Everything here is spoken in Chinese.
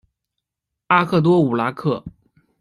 阿克多武拉克。